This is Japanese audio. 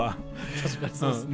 確かにそうですね。